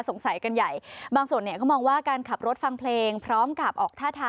สงสัยกันใหญ่บางส่วนเนี่ยเขามองว่าการขับรถฟังเพลงพร้อมกับออกท่าทาง